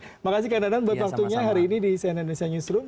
terima kasih kang dadan buat waktunya hari ini di cnn indonesia newsroom